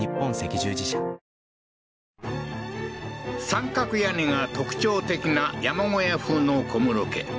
三角屋根が特徴的な山小屋風の小室家。